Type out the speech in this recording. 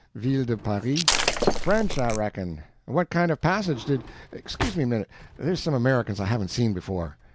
"VILLE DE PARIS." "French, I reckon. What kind of a passage did ... excuse me a minute, there's some Americans I haven't seen before."